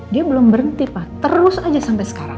dia belum berhenti pa terus aja sampe sekarang